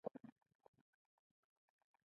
وزې له جګړو کرکه لري